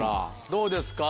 どうですか？